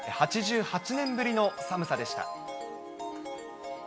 ８８年ぶりの寒さでした。